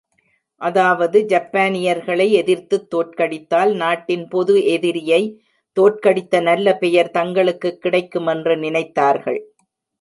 அதாவது ஜப்பானியர்களை எதிர்த்துத் தோற்கடித்தால் நாட்டின் பொது எதிரியை தோற்கடித்த நல்ல பெயர் தங்களுக்குக் கிடைக்குமென்று நினைத்தார்கள்.